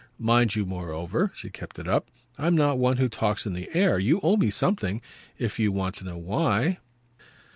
Mind you moreover" she kept it up "I'm not one who talks in the air. And you owe me something if you want to know why."